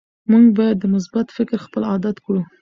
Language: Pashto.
موږ باید مثبت فکر خپل عادت کړو